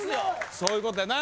そういうことやな。